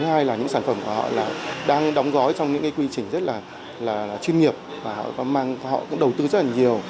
thứ hai là những sản phẩm của họ là đang đóng gói trong những cái quy trình rất là chuyên nghiệp và họ cũng đầu tư rất là nhiều